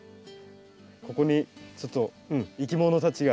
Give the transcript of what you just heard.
ここにちょっといきものたちが。